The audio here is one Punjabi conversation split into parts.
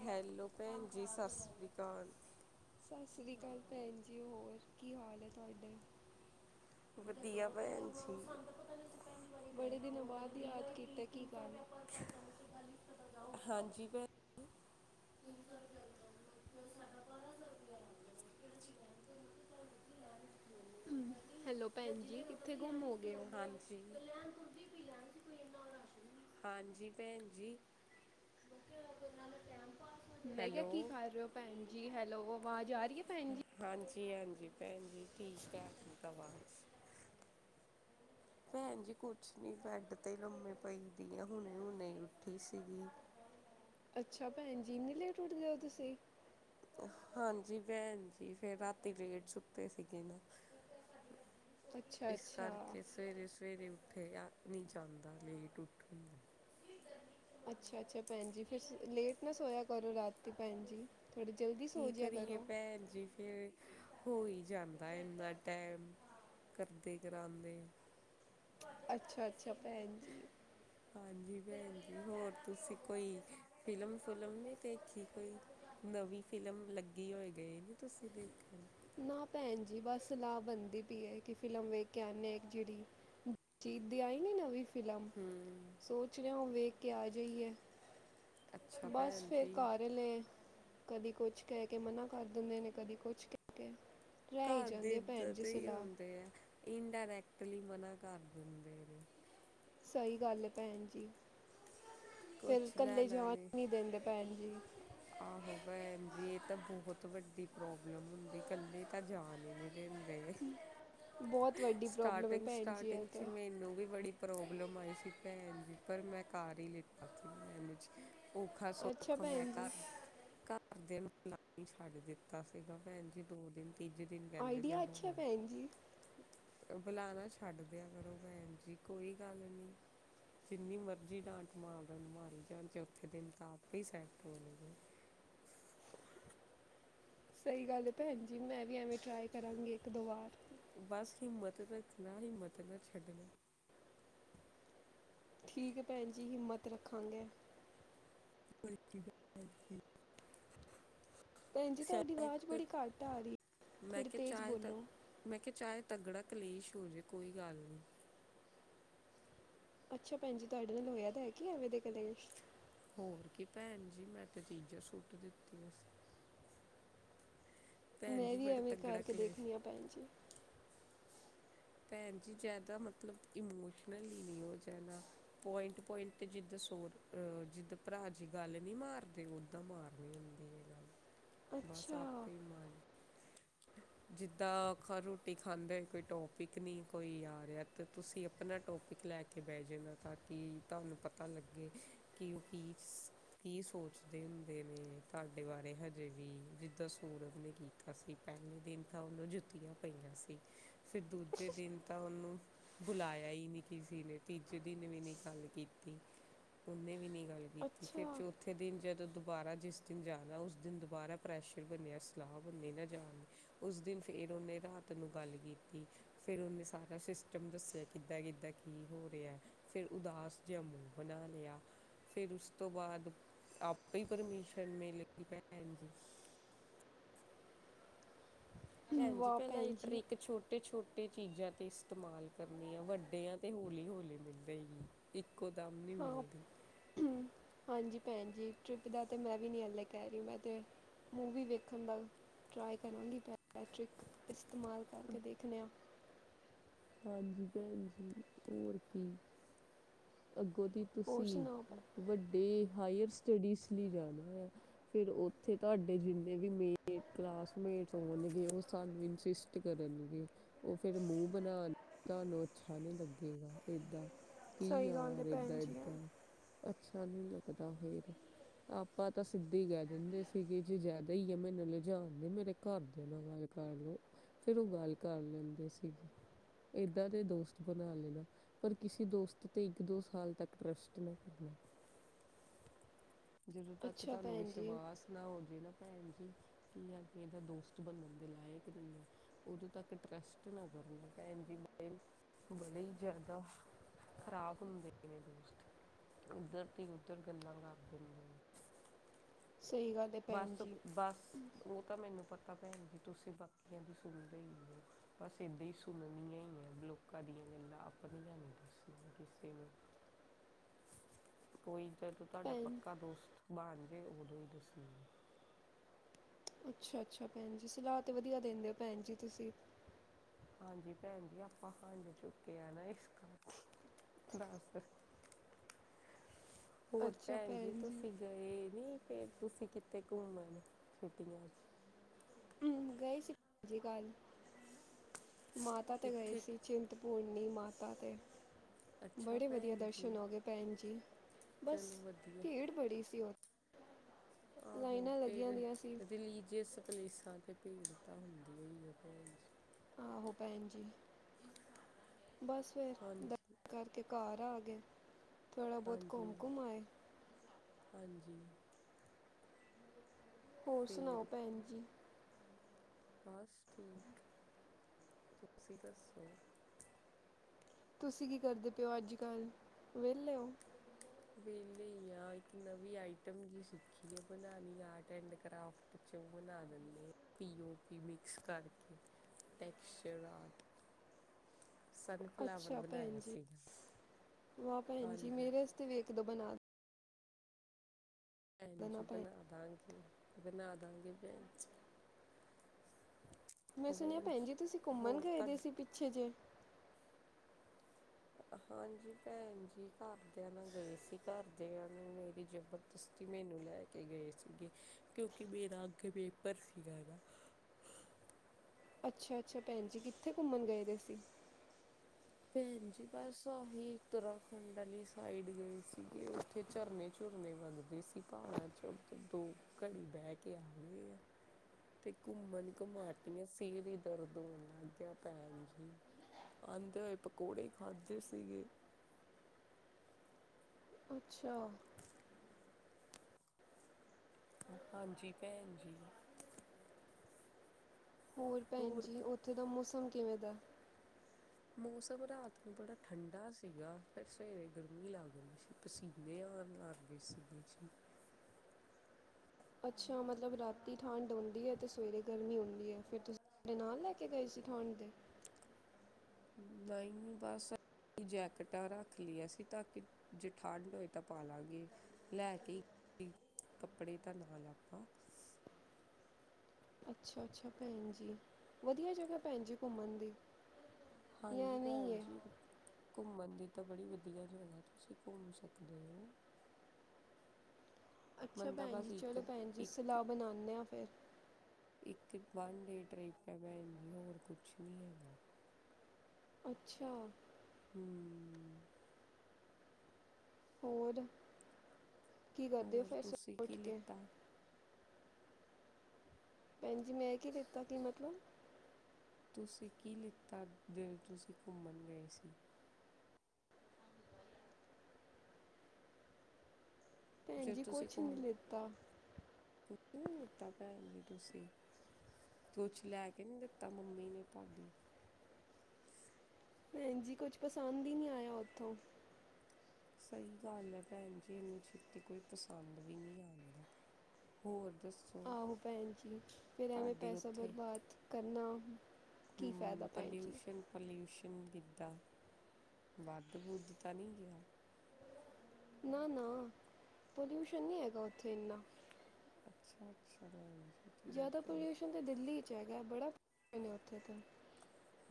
ਹੈਲੋ ਭੈਣ ਜੀ ਸਤਿ ਸ੍ਰੀ ਅਕਾਲ ਸਤਿ ਸ੍ਰੀ ਅਕਾਲ ਭੈਣ ਜੀ, ਹੋਰ? ਕੀ ਹਾਲ ਨੇ ਤੁਹਾਡੇ? ਵਧੀਆ ਭੈਣ ਜੀ ਬੜੇ ਦਿਨਾਂ ਬਾਅਦ ਯਾਦ ਕੀਤਾ ਕੀ ਗਲ ਹੈ। ਹਾਂਜੀ ਭੈਣ ਹੈਲੋ, ਭੈਣ ਜੀ ਕਿੱਥੇ ਘੁੰਮ ਹੋਗੇ ਔ, ਹਾਂਜੀ ਹਾਂਜੀ ਭੈਣ ਜੀ, ਮੈਂ ਕਿਹਾ ਹੈਲੋ ਕੀ ਕਰ ਰਹੇ ਹੋ ਭੈਣ ਜੀ? ਜੀ ਹੈਲੋ ਅਵਾਜ ਆਰੀ? ਹਾਂਜੀ-ਹਾਂਜੀ ਭੈਣ ਜੀ ਠੀਕ ਹੈ ਬਸ, ਭੈਣ ਜੀ ਕੁਛ ਨੀ ਬੈਡ ਤੇ ਲੰਮੀ ਪਈ ਦੀ ਆ ਹੁਣੇ-ਹੁਣੇ ਉੱਠੀ ਸੀਗੀ। ਅੱਛਾ, ਭੈਣ ਜੀ ਲੇਟ ਉੱਠਦੇ ਹੋ ਤੁਸੀਂ? ਹਾਂਜੀ ਭੈਣ ਜੀ ਫੇਰ ਰਾਤੀ ਲੇਟ ਸੁੱਤੇ ਸੀਗੇ ਨਾ, ਅੱਛਾ ਇਸ ਅੱਛਾ ਕਰਕੇ ਸਵੇਰੇ-ਸਵੇਰੇ ਉੱਠੇ ਆ, ਨੀ ਜੀ ਕਰਦਾ ਲੇਟ ਉੱਠਾ ਅੱਛਾ-ਅੱਛਾ, ਭੈਣ ਜੀ ਫਿਰ ਲੇਟ ਨਾ ਸੋਇਆ ਕਰੋ ਰਾਤ ਭੈਣ ਜੀ। ਥੋੜ੍ਹੀ ਜਲਦੀ ਸੋ ਕੀ ਜਿਆ ਕਰੀਏ ਕਰੋ ਭੈਣ ਜੀ ਫਿਰ, ਹੋ ਹੀ ਜਾਂਦਾ ਇਨਾ ਟੈਮ ਕਰਦੇ ਕਰਾਦੇ। ਅੱਛਾ, ਅੱਛਾ ਭੈਣ ਜੀ ਹਾਂਜੀ ਭੈਣ ਜੀ ਹੋਰ ਤੁਸੀਂ ਕੋਈ ਫਿਲਮ ਫੁਲਮ ਨੇ ਦੇਖੀ ਕੋਈ ਨਵੀਂ ਫਿਲਮ ਲੱਗੀ ਹੋਏ ਗਈ ਨੇ ਤੁਸੀਂ ਦੇਖਣ ਨਾ ਭੈਣ ਜੀ ਬਸ ਸਲਾਹ ਬਣਦੀ ਪਈ ਹੈ ਕਿ ਫਿਲਮ ਵੇਖ ਕੇ ਆਣੇ ਆ ਜਿਹੜੀ ਦਿਲਜੀਤ ਦੀ ਆਈ ਨੀ ਨਵੀਂ ਫਿਲਮ ਹਮ ਸੋਚ ਰਿਹੇ ਹੋ ਵੇਖ ਕੇ ਆ ਜਾਈਏ ਅੱਛਾ ਬਸ ਭੈਣ ਫੇਰ ਜੀ ਘਰ ਲਏ ਕਦੀ ਕੁਛ ਕਹਿ ਕੇ ਮਨਾ ਕਰ ਦਿੰਦੇ ਨੇ ਕਦੀ ਕੁਛ ਕੇ ਰਹਿ ਹੀ ਘਰ ਦੇ ਜਾਂਦੀ ਹੈ ਭੈਣ ਏਦਾਂ ਜੀ ਦੇ ਹੀ ਸਲਾਹ ਹੁੰਦੇ ਆ ਇੰਡਾਇਰੈਕਟ ਮਨਾ ਕਰ ਦਿੰਦੇ ਨੇ ਸਹੀ ਗੱਲ ਹੈ ਭੈਣ ਜੀ ਫਿਰ ਕੁਛ ਇਕੱਲੇ ਲੈਣਾ ਜਾਣ ਨੇ, ਨਹੀਂ ਦਿੰਦੇ ਭੈਣ ਜੀ ਆਹੋ ਭੈਣ ਜੀ ਇਹ ਤਾਂ ਬਹੁਤ ਵੱਡੀ ਪ੍ਰੋਬਲਮ ਹੁੰਦੀ ਇਕੱਲੇ ਤਾਂ ਜਾ ਨਹੀਂ ਨੇ ਬਹੁਤ [unintelligible] ਵੱਡੀ ਪ੍ਰੋਬਲਮ ਹੈ ਸਟਾਰਟਿੰਗ ਭੈਣ ਜੀ ਇਹ ਸਟਾਰਟਿੰਗ ਸੀ ਤਾਂ ਮੈਨੂੰ ਵੀ ਬੜੀ ਪ੍ਰੋਬਲਮ ਆਈ ਸੀ [unintelligible] ਮੈਂ [unintelligible] ਮੇਨੇਜ ਔਖਾ ਅੱਛਾ ਸੌਖਾ ਮੈਂ ਭੈਣ ਜੀ ਕਰ ਪਰ ਦਿਨ ਧੋਣੀ ਛੱਡ ਦਿੱਤਾ ਸੀਗਾ ਭੈਣ ਜੀ ਦੋ ਦਿਨ ਤੀਜੇ ਦਿਨ ਕਹਿੰਦੇ ਜਾ ਆਈਡੀਆ ਅੱਛਾ ਹੋਰ ਭੈਣ ਜੀ ਬੁਲਾਣਾ ਛੱਡ ਦਿਆ ਕਰੋ ਭੈਣ ਜੀ ਕੋਈ ਗੱਲ ਨੀ ਜਿੰਨੀ ਮਰਜੀ ਡਾਂ। ਮਾਰਨ ਮਾਰੀ ਜਾਣ ਚੌਥੇ ਦਿਨ ਤਾਂ ਆਪੇ ਹੀ ਸੈਟ ਹੋਣਗੇ। ਸਹੀ ਗੱਲ ਹੈ ਭੈਣ ਜੀ ਮੈਂ ਵੀ ਐਵੇਂ ਟਰਾਈ ਕਰਾਂਗੇ। ਬਸ ਹਿੰਮਤ। ਤੇ ਭੱਜਣਾ ਹਿੰਮਤ ਨਾ ਛੱਡਣਾ। ਠੀਕ ਹੈ ਭੈਣ ਜੀ ਹਿੰਮਤ ਰੱਖਾਂਗੇ। ਕੋਈ ਐਡੀ ਗੱਲ ਹੈ ਨਹੀਂ। ਭੈਣ ਜੀ ਤੁਹਾਡੀ ਅਵਾਜ਼ ਬੜੀ ਘੱਟ ਆ ਰਹੀ ਹੈ ਥੋੜੀ ਤੇਜ਼ ਬੋਲੋ। ਤਕੜਾ ਕਲੇਸ਼ ਹੋ ਜੇ ਕੋਈ ਗੱਲ ਨੀ। ਅੱਛਾ ਭੈਣ ਜੀ ਤੁਹਾਡੇ ਨਾਲ ਹੋਇਆ ਤਾਂ ਹੈ ਕੀ ਐਵੇਂ ਦਾ ਕਲੇਸ਼ ਹੋਰ ਕੀ ਭੈਣ ਜੀ ਮੈਂ ਤੇ ਚੀਜ਼ਾਂ ਸੁੱਟ ਦਿੱਤੀਆਂ ਸੀ। ਭੈਣ ਮੈਂ ਜੀ ਵੀ ਬੜਾ ਐਵੇਂ ਤਗੜਾ ਕਰਕੇ ਕਲੇਸ਼ ਦੇਖਣੀ ਆ ਭੈਣ ਜੀ। ਭੈਣ ਜੀ ਜਿਆਦਾ ਮਤਲਬ ਇਮੋਸ਼ਨਲੀ ਨੀ ਹੋ ਜਾਣਾ ਪੁਇੰਟ ਪੁਇੰਟ ਤੇ ਜਿਦਾਂ ਸੋਰ ਜਿਦਾਂ ਭਰਾ ਜੀ ਗੱਲ ਨਹੀਂ ਮਾਰਦੇ ਓਦਾਂ ਮਾਰਨੀ ਹੁੰਦੀ ਆ ਗੱਲ‌। ਬਸ ਅੱਛਾ ਆਪੇ ਮੰਨ। ਜਿੱਦਾਂ ਰੋਟੀ ਖਾਂਦੇ ਕੋਈ ਟੋਕ‌। [unintelligible] ਨੀ ਕੋਈ ਆ ਰਿਹਾ ਹੈ ਤੇ ਤੁਸੀਂ ਆਪਣਾ ਟੋਪਿਕ ਲੈ ਕੇ ਬਹਿ ਜਾਣਾ ਤਾਂ ਕਿ ਤੁਹਾਨੂੰ ਪਤਾ ਲੱਗੇ ਕਿ ਉਹ ਕੀ ਸੋਚਦੇ ਹੁੰਦੇ ਨੇ ਤੁਹਾਡੇ ਬਾਰੇ ਹਜੇ ਵੀ ਜਿੱਦਾਂ ਸੂਰਵ ਨੇ ਕੀਤਾ ਸੀ ਪਹਿਲੇ ਦਿਨ ਤਾਂ ਉਹਨੂੰ ਜੁੱਤੀਆਂ ਪਈਆਂ ਸੀ ਫਿਰ ਦੂਜੇ। ਦਿਨ ਤਾਂ ਉਹਨੂੰ ਬੁਲਾਇਆ ਹੀ ਨਹੀਂ ਕਿਸੇ ਨੇ ਤੀਜੇ ਦਿਨ ਵੀ ਨੀ ਗੱਲ ਕੀਤੀ ਉਹਨੇ ਵੀ ਨੀ। ਗੱਲ ਕੀਤੀ ਫਿਰ ਅੱਛਾ ਚੌਥੇ ਦਿਨ ਜਦੋਂ ਤੂੰ। ਦੁਬਾਰਾ ਜਿਸ ਦਿਨ ਜਾਣਾ ਉਸ ਦਿਨ ਦੁਬਾਰਾ ਪ੍ਰੈਸ਼ਰ ਬਣਿਆ ਸਲਾਹ ਬਣੀ ਨਾ ਜਾਣਦੀ ਉਸ ਦਿਨ ਫੇਰ ਉਹਨੇ ਰਾਤ ਨੂੰ ਗੱਲ ਕੀਤੀ। ਫਿਰ ਉਹਨੇ ਸਾਰਾ ਸਿਸਟਮ ਦੱਸਿਆ ਕਿੱਦਾਂ-ਕਿੱਦਾਂ ਕੀ ਹੋ ਰਿਹਾ ਹੈ ਫਿਰ ਉਦਾਸ ਜਿਹਾ ਮੂੰਹ ਬਣਾ ਲਿਆ ਫਿਰ ਉਸ ਤੋਂ ਬਾਅਦ ਆਪ ਹੀ ਪਰਮਿਸ਼ਨ ਮਿਲ ਗਈ ਭੈਣ ਜੀ। ਭੈਣ ਜੀ ਵਾਹ ਪਹਿਲਾਂ ਇਹ ਭੈਣ ਜੀ ਟਰੀਕ ਛੋਟੇ-ਛੋਟੇ। ਛੋਟੇ ਚੀਜ਼ਾਂ ਤੇ ਇਸਤੇਮਾਲ ਕਰਨੀ ਆ ਵੱਡਿਆਂ ਤੇ ਹੌਲੀ-ਹੌਲੀ ਮਿਲਦੇਗੀ ਇੱਕੋ ਦਮ। ਨਹੀਂ ਹਾਂ ਮਿਲਦੀ ਹੂੰ ਹਾਂਜੀ ਭੈਣ ਜੀ ਟ੍ਰਿਪ ਦਾ ਤੇ ਮੈਂ ਵੀ ਨਹੀਂ ਹਾਲੇ ਕਹਿ ਰਹੀ ਮੈਂ ਤੇ ਮੂਵੀ ਵੇਖਣ ਦਾ ਟਰਾਏ ਕਰਾਂਗੀ। ਇਸਤੇਮਾਲ ਕਰਕੇ ਦੇਖਦੇ ਹਾਂ। ਹਾਂਜੀ ਭੈਣ ਜੀ ਹੋਰ ਕੀ? ਅੱਗੋਂ ਦੀ ਹੋਰ ਤੁਸੀਂ ਸੁਣਾਓ ਵੱਡੇ ਹਾਇਰ। ਸਟੱਡੀਜ਼ ਲਈ ਜਾਣਾ ਆ ਫਿਰ ਉੱਥੇ ਤੁਹਾਡੇ ਜਿੰਨੇ ਵੀ ਮੇ ਕਲਾਸਮੇਟ ਹੋਣਗੇ ਉਹ ਸਰਨੇਮ ਇਨਸਿਸਟ ਕਰਨਗੇ ਉਹ ਫਿਰ। ਬਣਾਣ ਤੁਹਾਨੂੰ ਅੱਛਾ ਨੀ ਲੱਗੇਗਾ ਏਦਾਂ। ਕੀ ਸਹੀ ਗੱਲ ਹੈ ਯਾਰ ਭੈਣ ਏਦਾਂ ਜੀ ਇਹ। ਏਦਾਂ ਅੱਛਾ ਨੀ ਲੱਗਦਾ ਫਿਰ ਆਪਾਂ ਤਾਂ ਸਿੱਧੇ ਹੀ ਕਹਿ ਦਿੰਦੇ ਸੀਗੇ ਜੇ ਜ਼ਿਆਦਾ ਹੀ ਆ ਮੈਨੂੰ ਲਿਜਾਣ ਦੀ ਮੇਰੇ ਘਰਦਿਆਂ ਨਾਲ ਗੱਲ ਕਰ ਲਓ ਫੇਰ ਉਹ ਗੱਲ ਕਰ ਲੈਂਦੇ ਸੀ। ਏਦਾਂ ਦੇ ਦੋਸਤ ਬਣਾ ਲੈਣਾ ਪਰ ਕਿਸੇ ਦੋਸਤ ਤੇ ਇੱਕ ਦੋ ਸਾਲ ਤੱਕ ਟਰੱਸਟ ਨਾ ਕਰਨਾ। ਜਦੋਂ ਤੱਕ ਅੱਛਾ ਤੁਹਾਨੂੰ ਭੈਣ ਜੀ ਵਿਸ਼ਵਾਸ ਨਾ ਹੋਜੇ ਨਾ। ਭੈਣ ਜੀ ਕੀ ਅਗਲੇ ਦਾ ਦੋਸਤ ਬਣਨ ਦੇ ਲਾਇਕ ਨਹੀਂ ਹੈ ਉਦੋਂ ਤੱਕ ਟਰੱਸਟ ਨਾ ਕਰਨਾ। ਭੈਣ ਜੀ ਵੀ ਬੜੇ ਜ਼ਿਆਦਾ ਖ਼ਰਾਬ ਹੁੰਦੇ ਨੇ ਦੋਸਤ ਉੱਧਰ ਦੀ ਉੱਧਰ ਗੱਲਾਂ ਕਰ ਦਿੰਦੇ ਨੇ। ਸਹੀ ਗੱਲ ਹੈ ਭੈਣ ਬਸ ਜੀ ਬਸ ਉਹ ਤਾਂ ਮੈਨੂੰ ਪਤਾ। ਤਾਂ ਭੈਣ ਜੀ ਤੁਸੀਂ ਬਾਕੀਆਂ ਦੀ ਸੁਣਦੇ ਹੀ ਹੋ ਬਸ ਏਦਾਂ ਹੀ ਸੁਣਨੀਆਂ ਹੀ ਹੈ ਲੋਕਾਂ ਦੀਆਂ ਗੱਲਾਂ ਆਪਣੀਆਂ ਨੀ ਦੱਸਣੀਆਂ ਕਿਸੇ ਨੂੰ ਕੋਈ। ਫੇਰ ਤੂੰ ਤੁਹਾਡਾ ਭੈਣ ਪੱਕਾ ਦੋਸਤ। ਬਣ ਜਿਉ ਉਦੋਂ ਹੀ ਤੁਸੀਂ। [unintelligible] ਅੱਛਾ-ਅੱਛਾ ਭੈਣ ਜੀ ਸਲਾਹ ਤੇ ਵਧੀਆ ਦਿੰਦੇ ਹੋ ਭੈਣ ਜੀ ਤੁਸੀਂ। ਹਾਂਜੀ ਭੈਣ ਜੀ ਆਪਾਂ ਹੰਡ ਚੁੱਕੇ ਆ ਨਾ ਇਸ ਕਰ ਕੇ। ਹੋਰ ਭੈਣ ਜੀ ਤੁਸੀਂ ਗਏ ਨੀ? ਫਿਰ ਤੁਸੀਂ ਕਿੱਥੇ ਘੁੰਮਣ ਛੁੱਟੀਆਂ 'ਚ ਹੂੰ, ਗਏ ਸੀ ਸ ਜੀ [inaudible] ਮਾਤਾ ਤੇ ਗਏ ਕਿੱਥੇ ਸੀ ਚਿੰਤਪੂਰ ਨੀ ਮਾਤਾ ਤੇ। ਅੱਛਾ ਬੜੇ ਵਧੀਆ ਭੈਣ ਦਰਸ਼ਨ ਜੀ ਹੋ ਗਏ ਭੈਣ ਜੀ ਬਸ ਚਲੋ ਵਧੀਆ ਭੀੜ ਬੜੀ ਸੀ ਉਥੇ। ਆਹੋ ਫਿਰ ਦੀਆਂ ਸੀ ਰਿਲੀਜੀਅਸ ਪਲੇਸ [inaudible] ਥਾਂ ਤੇ ਭੀੜ ਤਾਂ ਹੁੰਦੀ ਹੀ ਹੈ ਭੇਜ [inaudible] ਆਹੋ ਭੈਣ ਜੀ। ਬਸ ਫਿਰ ਹਾਂਜੀ ਦਰਸ਼ਨ ਕਰਕੇ। ਘਰ ਆ ਗਏ। ਥੋੜ੍ਹਾ ਬਹੁਤ ਹਾਂਜੀ ਘੁੰਮ-ਘੁੰਮ ਆਏ। ਜੀ। ਹੋਰ ਸੁਣਾਓ ਭੈਣ ਜੀ। ਬਸ ਠੀਕ ਤੁਸੀਂ ਦੱਸੋ। ਤੁਸੀਂ ਕੀ ਕਰਦੇ ਪਏ ਹੋ ਅੱਜ ਕੱਲ ਵਿਹਲੇ ਓ? ਵੇਲੇ ਆ ਇੱਕ ਨਵੀਂ ਆਈਟਮ ਜਿ ਸਿੱਖੀ ਆ ਬਣਾਉਣੀ ਆਰਟ ਐਂਡ ਕਰਾਫਟ ਚ ਉਹ ਬਣਾ ਦਿੰਦੇ ਆ ਪੀਓ ਪੀ ਮਿਕਸ ਕਰਕੇ ਟਕਸਚਰ ਆਰਟ ਸਨਫਲਾਵਰ ਅੱਛਾ ਭੈਣ ਬਣਾਇਆ ਜੀ ਸੀਗਾ ਵਾਹ ਭੈਣ ਜੀ ਹਾਂਜੀ ਮੇਰੇ ਵਸਤੇ ਵੇਖ ਦੋ ਬਣਾ। ਦੇਣਾ ਹੰਜੀ ਭੈਣ ਬਣਾ ਦਿਆਂਗੇ। ਬਣਾ ਦਾਂਗੇ ਭੈਣਜੀ। ਮੈਂ ਸੁਣਿਆ ਭੈਣ ਜੀ ਤੁਸੀਂ ਘੁੰਮਣ ਹੋਰ ਗਏ ਦੇ ਤੁਹਾਡੇ ਸੀ ਪਿੱਛੇ ਜੇ? ਹਾਂਜੀ ਭੈਣ ਜੀ ਘਰਦਿਆਂ ਨਾਲ ਗਏ ਸੀ ਘਰਦਿਆਂ ਨੂੰ ਮੇਰੀ ਜਬਰਦਸਤੀ ਮੈਨੂੰ ਨਾਲ ਲੇਕੇ ਗਏ ਸੀਗੇ ਕਿਉਂਕਿ ਮੇਰਾ ਅੱਗੇ ਪੇਪਰ ਸੀਗਾ। ਅੱਛਾ-ਅੱਛਾ ਭੈਣ ਜੀ ਕਿੱਥੇ ਘੁੰਮਣ ਗਏ ਦੇ ਸੀਂ? ਭੈਣ ਜੀ ਬਸ ਆਹੀ ਉਤਰਾਖੰਡ ਵਾਲੀ ਸਾਈਡ ਗਏ ਸੀਗੇ ਉਓਥੇ ਝਰਨੇ ਝੁਰਨੇ ਲੱਗਦੇ ਸੀ ਪਹਾੜਾਂ ਚ ਉਧਰ ਦੋ ਘੜੀ ਬਹਿ ਕੇ ਆ ਗਏ ਆ ਤੇ ਘੁੰਮਣ ਘੁਮਾਟੀਆਂ ਸਿਰ ਹੀ ਦਰਦ ਹੋਣ ਲੱਗ ਗਿਆ ਭੈਣ ਜੀ ਆਉਂਦੇ ਹੋ [inaudible] ਪਕੌੜੇ ਖਾਦੇ ਸੀਗੇ। ਅੱਛਾ। ਹਾਂਜੀ ਭੈਣ ਜੀ। ਹੋਰ ਭੈਣ ਜੀ ਉੱਥੇ ਦਾ ਮੌਸਮ ਕਿਵੇਂ ਦਾ? ਮੌਸਮ ਰਾਤ ਨੂੰ ਬੜਾ ਠੰਢਾ ਸੀਗਾ ਫਿਰ ਸਵੇਰੇ ਗਰਮੀ ਲੱਗ ਰਹੀ ਸੀ ਪਸੀਨੇ ਆਉਣ ਲੱਗ ਗਏ ਸੀਗੇ ਸੀ। ਅੱਛਾ ਮਤਲਬ ਰਾਤੀ ਠੰਡ ਆਉਂਦੀ ਹੈ ਤੇ ਸਵੇਰੇ ਗਰਮੀ ਆਉਂਦੀ ਹੈ ਫਿਰ ਤੁਸੀਂ ਕਪੜੇ ਨਾਲ ਲੈ ਕੇ ਗਏ ਸੀ ਠੰਡ ਦੇ? ਨਹੀਂ ਬਸ ਜੈਕਟਾਂ ਰੱਖ ਲਈਆਂਸੀ ਤਾਂ ਕਿ ਜੇ ਠੰਡ ਹੋਏ ਤਾਂ ਪਾ ਲਾਂਗੇ ਲੈ ਕੇ ਕੱਪੜੇ ਤਾਂ ਨਾਲ ਲੱ ਆਪਾਂ। ਅੱਛਾ-ਅੱਛਾ ਭੈਣ ਜੀ ਵਧੀਆ ਜਗ੍ਹਾ ਭੈਣ ਜੀ ਘੁੰਮਣ ਦੀ। ਜਾਂ ਹਾਂਜੀ ਐਵੇਂ ਹੀ ਭੈਣ ਹੈ ਜੀ ਘੁੰਮਣ ਦੀ ਤਾਂ ਬੜੀ ਵਧੀਆ ਜਗ੍ਹਾ ਤੁਸੀਂ ਘੁੰਮ ਸਕਦੇ ਹੋ [inaudible] ਅੱਛਾ ਬੰਦਾ ਭੈਣ ਜੀ ਬਸ ਇੱਕ ਚਲੋ ਭੈਣ ਜੀ ਇੱਕ ਸਲਾਹ ਬਣਾਨੇ ਆ, ਸ ਫੇਰ, ਇੱਕ ਵਨ ਡੇ ਟ੍ਰਿਪ ਹੈ ਭੈਨ ਜੀ ਹੋਰ ਕੁਛ ਨਹੀਂ ਹੈਗਾ। ਅੱਛਾ, ਹੂੰ, ਹੋਰ, ਕੀ ਕਰਦੇ ਹੋ ਹੋਰ ਫੇਰ ਤੁਸੀਂ ਸਵੇਰੇ ਕੀ ਕੇ ਲਿੱਤਾ ਭੈਣਜੀ ਮੈਂ ਕੀ ਦਿੱਤਾ ਕੀ ਮਤਲਬ ਤੁਸੀਂ ਕੀ ਲਿੱਤਾ ਜਦੋਂ ਤੁਸੀਂ ਘੁੰਮਣ ਗਏ ਸੀ। ਭੈਣ ਜਦ ਜ ਤੁਸੀਂ ਕੁਛ ਨੀ ਲਿਤਾ। ਕੁ ਨੀ ਲਿੱਤਾ ਭੈਣ ਜੀ ਤੁਸੀਂ ਕੁਛ ਲੈ ਕੇ ਨੀ ਦਿੱਤਾ ਮੰਮੀ ਨੀ ਦਿੱਤਾ ਤੁਹਾਨੂੰ ਭੈਣਜੀ ਕੁਛ ਪਸੰਦ ਹੀ ਨੀ ਆਇਆ ਉਥੋਂ ਸਹੀ ਗੱਲ ਹੈ ਭੈਣ ਜੀ ਇੰਨੀ ਛੇਤੀ ਕੋਈ ਪਸੰਦ ਵੀ ਨੀ ਆਦੀ ਹੋਰ ਦੱਸੋ ਆਹੋ ਭੈਣ ਜੀ ਫਿਰ ਐਵੇਂ ਤੁਹਾਡੇ ਪੈਸਾ ਬਰਬਾਦ ਕਰਨਾ। ਹੂੰ, ਹੂੰ, ਪੋਲਿਊਸ਼ਨ-ਪੋਲਿਊਸ਼ਨ ਗ ਵੱਧ ਵੁਧ ਤਾਂ ਨੀ ਗਿਆ। ਨਾ ਨਾ ਪੋਲਿਊਸ਼ਨ ਨੀ ਹੈਗਾ ਉੱਥੇ ਇੰਨਾ [inaudible] ਜ਼ਿਆਦਾ ਹੈ ਪੋਲਿਊਸ਼ਨ ਤੇ ਦਿੱਲੀ ਚ ਐ। ਬੜਾ ਉੱਥੇ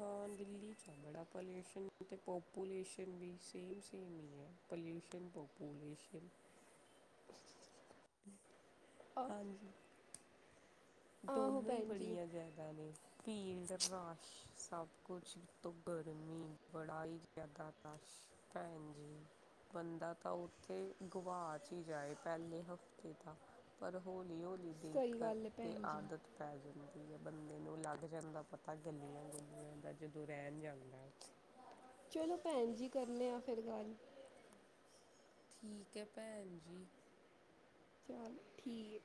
ਹਾਂ ਦਿੱਲੀ ਬੜਾ ਪੋਲਿਊਸ਼ਨ ਅਤੇ ਪੋਪੂਲੇਸ਼ਨ ਵੀ ਸੇਮ-ਸੇਮ ਹੀ ਹੈ ਪੋਲਿਊਸ਼ਨ, ਪੋਪੂਲੇਸ਼ਨ। [inaudible] [inaudible] ਆ ਹਾਂਜੀ, ਆਹੋ ਦੋਨੋ ਹੀ ਭੈਣ ਜੀ ਬੜੀਆਂ ਜ਼ਿਆਦਾ ਨੇ ਫੀਲਡ ਰਸ਼ ਸਭ ਕੁਛ ਤੋਂ ਗਰਮੀ ਬੜਾ ਹੀ ਜ਼ਿਆਦਾ ਰਸ਼ ਭੈਣ ਜੀ ਬੰਦਾ ਤਾਂ ਉੱਥੇ ਗਵਾਚ ਹੀ ਜਾਏ ਪਹਿਲੇ ਹਫ਼ਤੇ ਤਾਂ ਪਰ ਹੌਲੀ-ਹੌਲੀ ਨਦੀਕ ਸਹੀ ਗੱਲ ਹੈ ਭੈਣ ਇਹ ਜੀ ਆਦਤ ਪੈ ਜੇ। ਮਤਲਬ ਹੈ ਬੰਦੇ ਨੂੰ ਲੱਗ ਜਾਂਦਾ ਪਤਾ ਗਲੀਆਂ ਗੁਲੀਆਂ ਦਾ ਜਦੋਂ ਰਹਿਣ ਜਾਂਦਾ ਉੱਥੇ ਚਲੋ ਭੈਣ ਜੀ ਕਰਨੇ ਆ ਫਿਰ ਗੱਲ, ਠੀਕ ਹੈ ਭੈਣ ਜੀ, ਚਲ ਠੀਕ,